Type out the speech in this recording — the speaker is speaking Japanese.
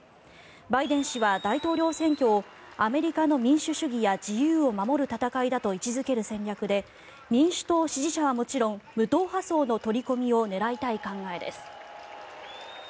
バイデン氏は大統領選挙をアメリカの民主主義や自由を守る戦いだと位置付ける戦略で民主党支持者はもちろん無党派層の取り込みを狙いたい考えです。